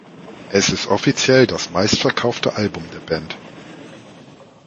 Es ist offiziell das meistverkaufte Album der Band.